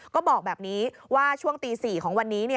ก็บอกแบบนี้ว่าช่วงตี๔ของวันนี้